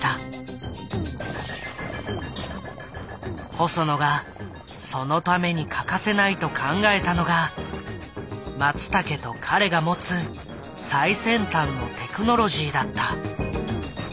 細野がそのために欠かせないと考えたのが松武と彼が持つ最先端のテクノロジーだった。